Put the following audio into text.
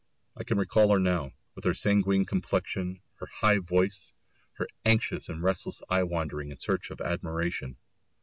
I can recall her now, with her sanguine complexion, her high voice, her anxious and restless eye wandering in search of admiration.